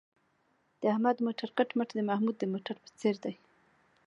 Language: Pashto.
د احمد موټر کټ مټ د محمود د موټر په څېر دی.